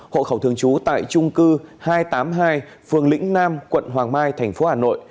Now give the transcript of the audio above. hộ khẩu thường trú tại trung cư hai trăm tám mươi hai phường lĩnh nam quận hoàng mai tp hcm